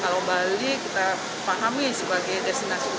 kalau bali kita pahami sebagai destinasi